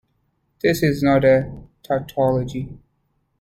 This is not a tautology.